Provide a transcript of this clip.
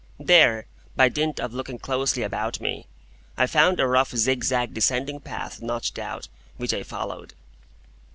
There, by dint of looking closely about me, I found a rough zigzag descending path notched out, which I followed.